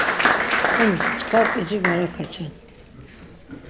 Emus çkar p̌ici var akaçen.